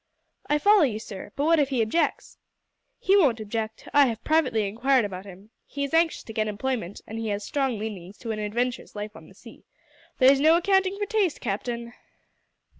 "I follow you, sir. But what if he objects?" "He won't object. I have privately inquired about him. He is anxious to get employment, and has strong leanings to an adventurous life on the sea. There's no accounting for taste, Captain!"